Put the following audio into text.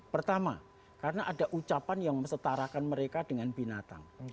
pertama karena ada ucapan yang setarakan mereka dengan binatang